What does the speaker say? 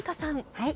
はい。